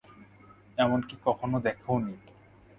এমনকি কখনো দেখেওনি।